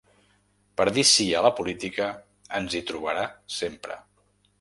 Per dir Sí a la política, ens hi trobarà sempre.